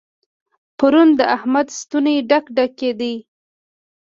پرون د احمد ستونی ډک ډک کېد.